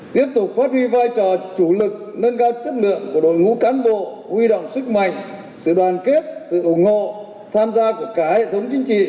tiếp tục phát huy vai trò chủ lực nâng cao chất lượng của đội ngũ cán bộ huy động sức mạnh sự đoàn kết sự ủng hộ tham gia của cả hệ thống chính trị